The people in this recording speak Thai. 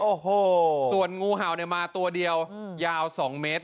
หมาหมู่ของแท้งูเห่าเนี่ยมาตัวเดียวยาวสองเมตร